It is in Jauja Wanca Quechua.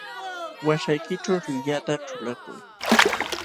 Waśhaykićhu llillata ćhulakuy.